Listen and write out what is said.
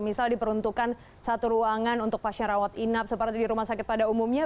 misal diperuntukkan satu ruangan untuk pasien rawat inap seperti di rumah sakit pada umumnya